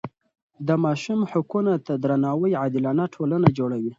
د ماشوم حقونو ته درناوی عادلانه ټولنه جوړوي.